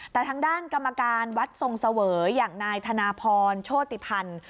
แต่ทางด้านกรรมการวัดทรงเสวยอย่างนายธนพรโชติพันธ์